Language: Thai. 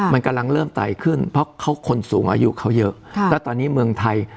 มันกำลังเริ่มตัดขาดขึ้น